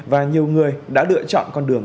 và nhiều người đã lựa chọn con đường